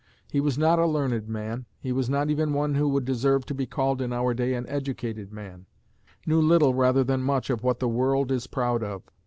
He was not a learned man. He was not even one who would deserve to be called in our day an educated man knew little rather than much of what the world is proud of.